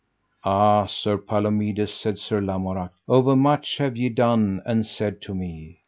Ah, Sir Palomides, said Sir Lamorak, overmuch have ye done and said to me.